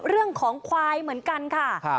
เรื่องของควายเหมือนกันค่ะ